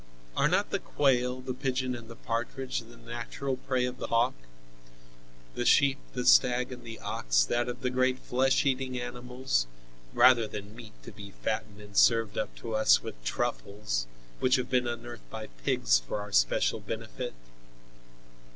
Are not the quail, the pigeon and the partridge the natural prey of the hawk? the sheep, the stag and the ox that of the great flesh eating animals, rather than meat to be fattened and served up to us with truffles, which have been unearthed by pigs for our special benefit?